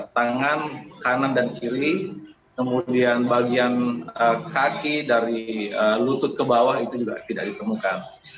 tangan kanan dan kiri kemudian bagian kaki dari lutut ke bawah itu juga tidak ditemukan